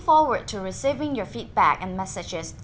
hoặc địa chỉ email tạp chí dna gmail com